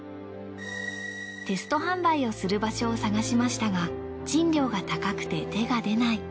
テスト販売をする場所を探しましたが賃料が高くて手が出ない。